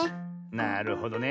なるほどね。